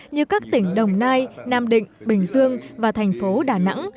như các tỉnh đồng nai nam định bình dương và thành phố đà nẵng